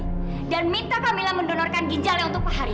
dan dia akan meminta kamila untuk mendonorkan ginjalnya kepada pak hari